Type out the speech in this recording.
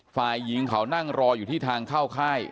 ฝ่ายหญิงเขานั่งรออยู่ที่ทางเข้าค่าย